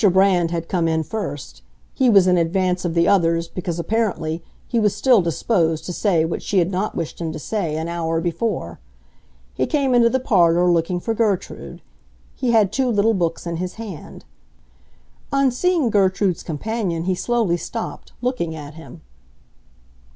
Brand had come in first; he was in advance of the others, because, apparently, he was still disposed to say what she had not wished him to say an hour before. He came into the parlor, looking for Gertrude. He had two little books in his hand. On seeing Gertrude's companion he slowly stopped, looking at him.